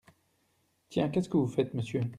Tiens ! qu’est-ce que vous faites, monsieur ?…